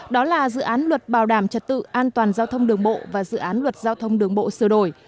đó là dự án luật bảo đảm trật tự an toàn giao thông đường bộ và dự án luật giao thông đường bộ sửa đổi